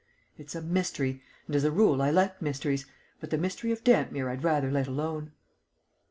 It's a mystery, and, as a rule, I like mysteries, but the mystery of Dampmere I'd rather let alone."